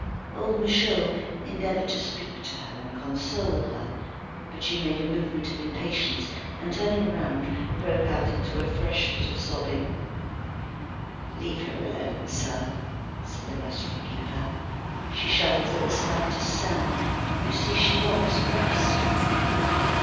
Old Michaud endeavoured to speak to her and console her. But she made a movement of impatience, and turning round, broke out into a fresh fit of sobbing. "Leave her alone, sir," said the restaurant keeper, "she shudders at the slightest sound. You see, she wants rest."